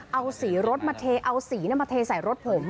เอาสีรถมาเทเอาสีมาเทใส่รถผม